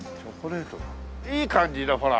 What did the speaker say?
いい感じだほら！